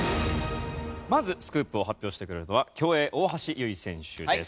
まずスクープを発表してくれるのは競泳大橋悠依選手です。